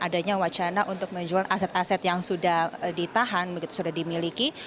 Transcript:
adanya wacana untuk menjual aset aset yang sudah ditahan sudah dimiliki